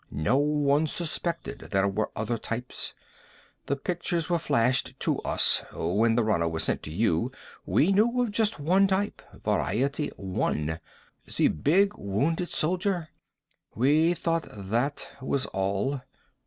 "No one suspected there were other types. The pictures were flashed to us. When the runner was sent to you, we knew of just one type. Variety One. The big Wounded Soldier. We thought that was all."